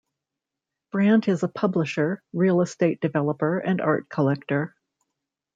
Brant is a publisher, real estate developer and art collector.